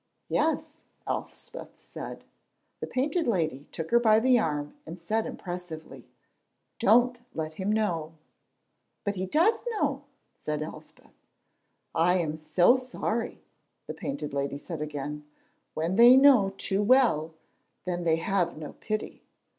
"Yes," Elspeth said. The Painted Lady took her by the arm and said impressively, "Don't let him know." "But he does know," said Elspeth. "I am so sorry," the Painted Lady said again. "When they know too well, then they have no pity."